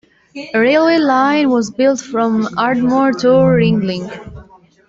A railway line was built from Ardmore to Ringling.